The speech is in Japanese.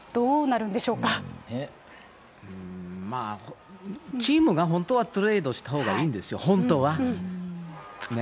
うーん、まあ、チームが本当はトレードしたほうがいいんですよ、本当は。ね。